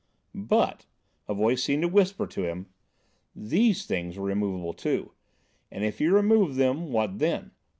But—a voice seemed to whisper to him—these things were removable, too. And if he removed them, what then?